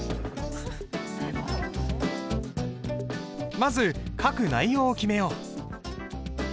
まず書く内容を決めよう。